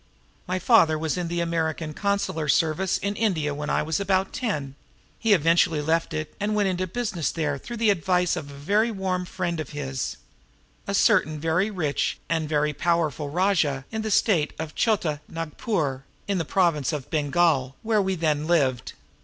My father was in the American Consular service in India when I was about ten. He eventually left it and went into business there through the advice of a very warm friend of his, a certain very rich and very powerful rajah in the State of Chota Nagpur in the Province of Bengal, where we then lived.